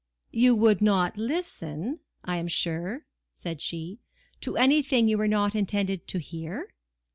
"You would not listen, I am sure," said she, "to anything you were not intended to hear?"